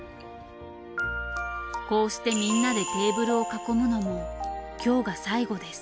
こうしてみんなでテーブルを囲むのも今日が最後です。